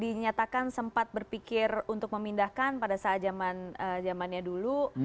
dinyatakan sempat berpikir untuk memindahkan pada saat zamannya dulu